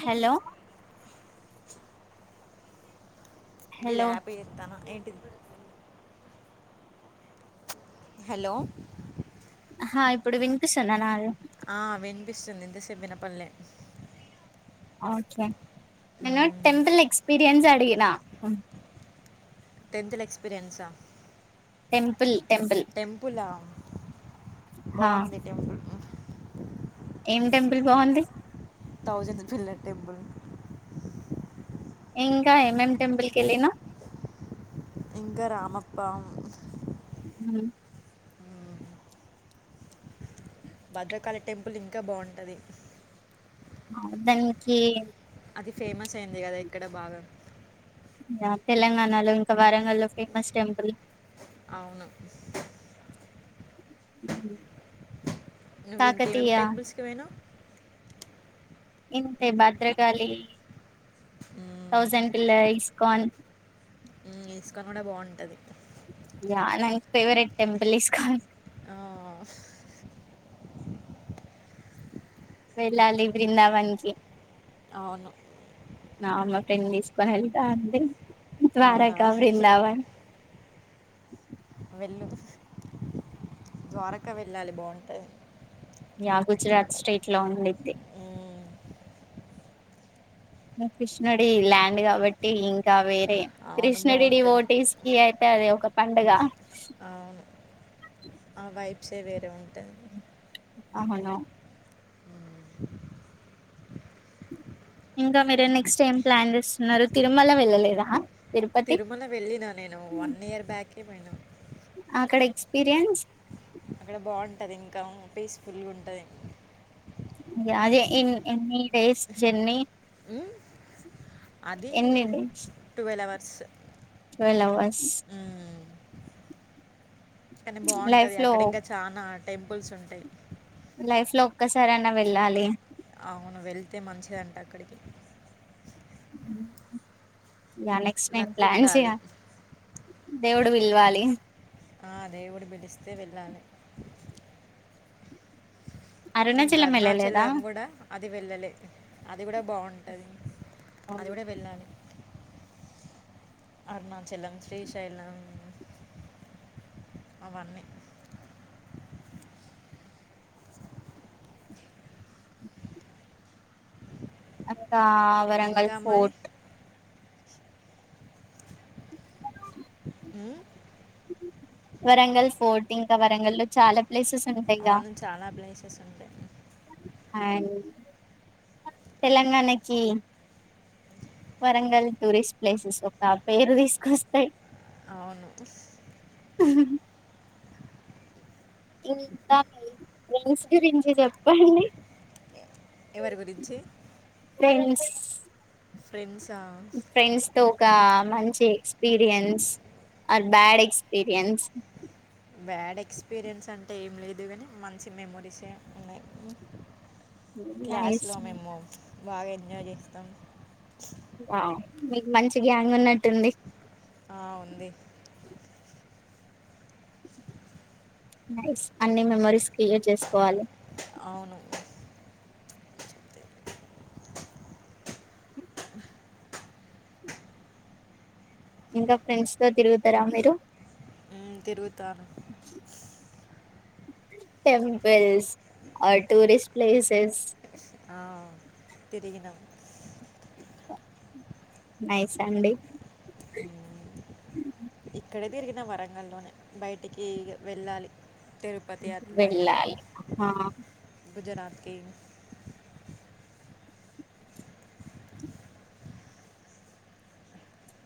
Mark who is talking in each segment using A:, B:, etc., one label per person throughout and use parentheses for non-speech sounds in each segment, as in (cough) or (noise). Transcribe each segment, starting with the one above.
A: Hello
B: ఇది
A: hello
B: happy ఇస్తాను ఏంటి హలో
A: ఆహా ఇప్పుడు వినిపిస్తున్నా నా
B: ఆ వినిపిస్తుంది ఇంత సేపు వినపెదలె
A: ఓకే నన్న టెంపుిల్ ఎక్స్పీరియన్స్ అడిగినా
B: టెన్త్ల ఎక్స్పీరియన్సా
A: టెంపుల్ టెంపుల్
B: టెంపులా
A: హా
B: బాగుంది టెంపుల్
A: ఏం టెంపుల్ బాగుంది
B: తౌసంద్ బిళ్ళ టెంపుల్
A: ఇంకా ఎం ఎం టెంపుల్కిెళ్లినా
B: ఇంకా రామప్ప
A: అ
B: భద్రకాళి టెంపుల్ ఇంకా బాగుంటంది
A: అర్థానికి
B: అది ఫేమస్ అయింది కదా ఇక్కడ బాగా
A: తెలంగాణలో ఇంకా వరంగల్ల్లో ఫేమస్ టెంపుల్
B: అవును
A: అ
B: నువ్వు ఇంకేమేమి టెంపుల్స్ కి పోయినావు
A: ఇంతే భద్రకాళి
B: మ్మ్.
A: థౌసండ్ పిల్లర్స్ ఇస్కాన్
B: మ్మ్, ఇస్కాన్ కూడా బాగుంటుంది
A: యా నం ఫేవరెట్ టెంపుల్ ఇస్కాాన్
B: ఆ
A: వెళ్ళాలి బృందావన్ కి
B: అవును
A: నా అమ్మ ఫ్రెండ్ తీసుకొని వెళ్తా అడి
B: అవునా
A: ద్వారకగాబ్రిందావని
B: ద్వారక వెళ్ళాలి బాగుంటుంది
A: యా గుజరాత్ స్టేట్ లోలా ఉంది
B: మ్మ్
A: నా కృష్ణుడి ల్యాండ్ కాబట్టి ఇంకా వేరే
B: అవును.
A: కృష్ణడిడి
B: బావుంటుంది.
A: ఓటీస్కి అయితే అది ఒక పండుగ
B: చెసే వేరే ఉంటది
A: అవును ఇంకా మీరు నెక్స్ట్ ఏం ప్లాన్ చేస్తున్నారు తిరుమల వెళ్ళలేదా తిరుపతి
B: తిరుమల వెళ్ళిన నేను వన్ ఇయర్ బ్యాకే పోయినం
A: అక్కడ ఎక్స్పీరియన్స్
B: అక్కడ బాగుంటుంది ఇంకా పీస్ఫుల్గా ఉంటది
A: అ అదే ఇన్ ఎన్ని డేస్ జర్నీ
B: హ్మ్ అది
A: ఎన్ని days
B: twelve hours
A: twelve hours
B: hmm. కానీ
A: లైఫ్
B: బాగుంటది
A: లో
B: అక్కడ ఇంకా చనా టెంపుల్స్ ఉంటాయి
A: ఇట్ లో ఒక్కసారి అయినా వెళ్ళాలి
B: అవును వెళ్తే మంచిదంట అక్కడికి
A: నెక్స్ట్ టైమ్
B: లక్
A: ప్లాన్ చేయ
B: ఉండాలి.
A: దేవుడు విలవాలి
B: ఆ దేవుడు పిలిస్తే వెళ్ళాలి ఇంకా
A: అరుణచల్లం వెళ్ళలేదా
B: అరుణాచలం కూడా అది వెళ్ళలే అది కూడా బాగుంటది అది కూడా వెళ్ళాలి అరుణాచలం శ్రీశైలం అవన్నీ
A: ఇంకా వరంగల్
B: ఇంకా మరి
A: ఫోర్ట్
B: హ్మ్
A: వరంగల్ ఫోర్ట్ ఇంకా వరంగల్ లో చాలా ప్లేసెస్ ఉంటాయిగా
B: అవును చాలా ప్లేసెస్ ఉంటాయి
A: అండ్ తెలంగాణకి వరంగల్ టూరిస్ట్ ప్లేసెస్ ఒక పేరు తీసుకొస్తాయి
B: అవును
A: అ ఇంతా ఫ్రెండ్స్ గురించి చెప్పండి
B: ఎవరి గురించి
A: ఫ్రెండ్స్
B: ఫ్రెండ్స్ ఆ
A: ఫ్రెండ్స్ తో ఒక మంచి ఎక్స్పీరియన్స్ ఆ బ్యాడ్ ఎక్స్పీరియన్స్
B: బ్యాడ్ ఎక్స్పీరియన్స్ అంటే ఏం లేదు కానీ మంచి మెమరీసే ఉన్నాయి క్లాస్
A: నైస్
B: లో మేము బాగా ఎంజాయ్ చేస్తాం
A: మీకు మంచి గ్యాంగ్ ఉన్నట్టుంది
B: ఆ ఉంది
A: నైస్ అన్ని మెమరీస్ క్రియేట్ చేసుకోవాలి
B: అవును
A: ఇంకా ఫ్రెండ్స్ తో తిరుగుతారా మీరు
B: హ్మ్ తిరుగుతాను
A: టెంపుల్స్ టూరిస్ట్ ప్లేసెస్
B: ఆ తిరిగినాం
A: నైస్ అండి
B: హ్మ్. ఇక్కడే తిరిగిన వరంగల్లోనే బయటికి వెళ్ళాలి తిరుపతి
A: వెళ్ళాలి హా
B: గుజరాత్ కి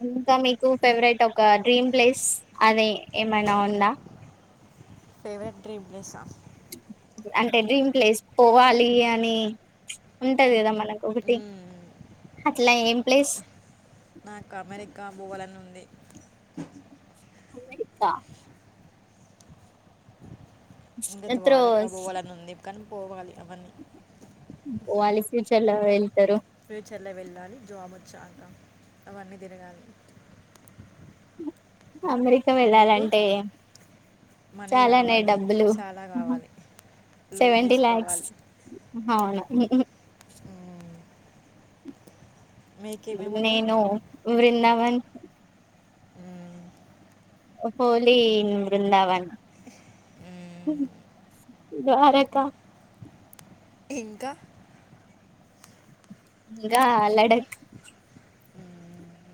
A: ఇంకా మీకు ఫేవరెట్ ఒక డ్రీమ్ ప్లేస్ అని ఏమైనా ఉందా
B: ఫేవరెట్ డ్రీమ్ ప్లేసా
A: (inaudible) అంటే డ్రీమ్ ప్లేస్ పోవాలి అని, ప్చ్ ఉంటది కదా. మనకు ఒకటి
B: హ్మ్.
A: అట్లా ఏం ప్లేస్
B: నాకు అమెరికా బోవాలనీ ఉంది.
A: అమెరికా
B: ఇంకా ద్వారక్క
A: త్రోస్
B: పోవాలని ఉంది, కానీ పోవాలి అవన్నీ
A: పోవాలి ఫ్యూచర్ లో వేల్
B: ఫ్యూచర్లో వెళ్ళాలి. జాబ్ వచ్చాక అవన్నీ తిరగాలి
A: అమెరికా
B: మీకు?
A: వెళ్ళాలంటే.
B: మనీ
A: చాలానే
B: కావాలి,
A: డబ్బులు
B: చాలా కావాలి, లోన్
A: సెవెంటీ లాక్స్
B: తీసుకోవాలి.
A: అవును
B: హ్మ్. మీకేమేమున్నాయి?
A: నేను వృందావన్
B: హ్మ్.
A: ఓహోలీ బృందావన్
B: హ్మ్.
A: ఉహ్ ద్వారక
B: ఇంకా
A: ఇంగా లడక్
B: హ్మ్.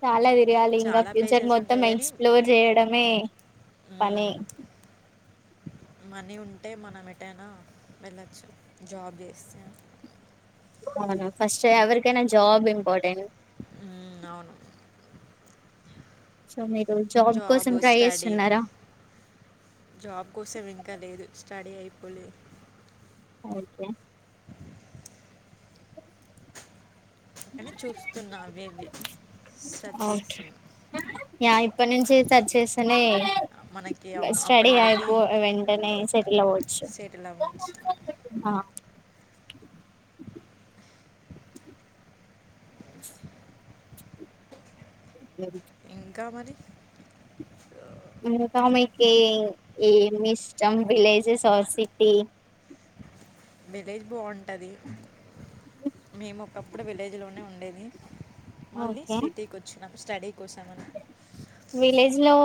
A: చాలా జె యాలి ఇంగా
B: చాలా
A: ఫ్యూచర్
B: ప్లేసెస్
A: మొత్తం.
B: ఉంటాయి కానీ
A: ఎక్స్ప్లోర్ చేయడమే పని.
B: హ్మ్, మనీ ఉంటే మనం ఎటైనా వెళ్ళచ్చు. జాబ్ చేసే.
A: అవును ఫస్ట్ ఎవరికైనా జాబ్ ఇంపార్టెంట్.
B: హ్మ్, అవును
A: సో మీరు
B: జాబ్,
A: కోసం ట్రై
B: స్టడీ.
A: చేస్తున్నారా
B: జాబ్ కోసం ఇంకా లేదు స్టడీ అయిప్ పోలే
A: ఓకే (inaudible)
B: అని చూస్తున్నా. అవేవి సర్చ్ చేస్తున్నా.
A: యా ఇప్పటి నుంచి సెర్చ్ చేస్తనే
B: మనకి అవును అప్పటి
A: స్టడీ
B: వరకు
A: అయిపో వెంటనే సెటిల్ అవ్వచ్చు.
B: సెటిల్ అవ్వచ్చు
A: ఉహ్ మా గది
B: ఇంకా మరి
A: ఇంకొక అమైతే ఈ మి ఇష్టం విలేజెస్ ఆర్ సిటీ
B: విలేజ్ బావుంటది. మేము ఒకప్పుడు విలేజ్లోనే ఉండేది. మళ్ళీ
A: ఓకే
B: సిటీకి వచ్చినము, స్టడీ కోసం అని.
A: విలేజ్ లో